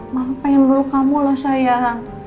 mak pengen luluh kamu loh sayang